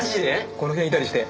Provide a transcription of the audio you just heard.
この辺いたりして。